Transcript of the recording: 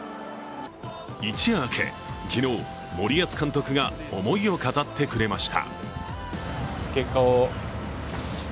一夜明け昨日、森保監督が思いを語ってくれました。